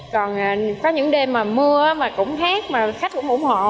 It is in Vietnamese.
còn có những đêm mà mưa mà cũng hát mà khách cũng ủng hộ